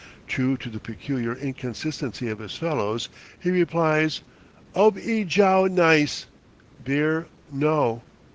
True to the peculiar inconsistency of his fellows, he replies: "Ob i jow neis" (beer, no).